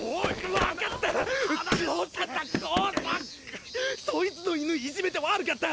分かっそいつの犬いじめて悪かった。